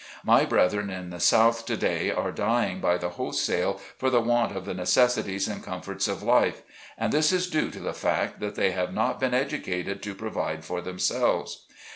My brethren in the South to day, are dying by the wholesale for the want of the necessi ties and comforts of life, and this is due to the fact that they have not been educated to provide for themselves.